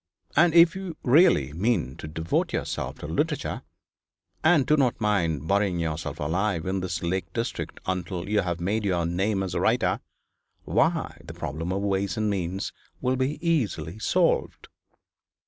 And if you really mean to devote yourself to literature, and do not mind burying yourself alive in this lake district until you have made your name as a writer, why the problem of ways and means will be easily solved.'